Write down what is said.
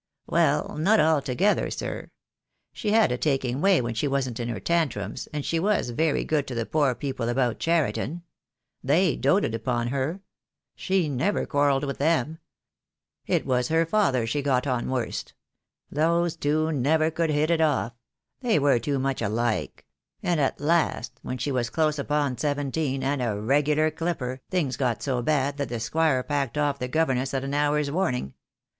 "Well, not altogether, sir. She had a taking way when she wasn't in her tantrums, and she was very good to the poor people about Cheriton. They doated upon her. She never quarrelled with them. It was with her father she got on worst. Those two never could hit it off. They were too much alike; and at last, when she was close upon seventeen, and a regular clipper, things got so bad that the Squire packed off the governess at an hour's warning.